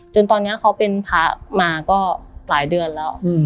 จนตอนนี้เขาเป็นพระมาก็หลายเดือนแล้ว